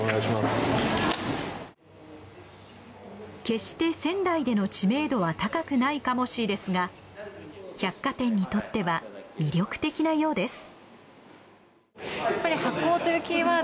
決して仙台での知名度は高くないカモシーですが百貨店にとっては魅力的なようです。